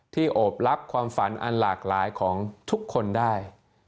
โอบลับความฝันอันหลากหลายของทุกคนได้